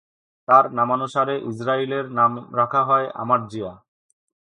তার নামানুসারে ইসরাইলের নাম রাখা হয় আমাটজিয়া।